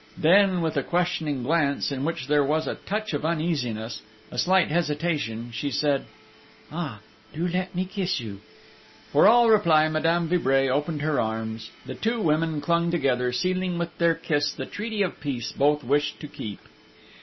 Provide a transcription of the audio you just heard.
Then, with a questioning glance, in which there was a touch of uneasiness, a slight hesitation, she said: "Ah, do let me kiss you!" For all reply Madame de Vibray opened her arms; the two women clung together, sealing with their kiss the treaty of peace both wished to keep.